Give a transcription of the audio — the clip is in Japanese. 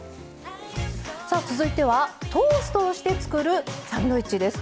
さあ続いてはトーストをして作るサンドイッチです。